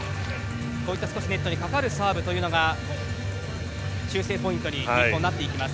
こういった少しネットにかかるサーブというのが修正ポイントに日本はなっていきます。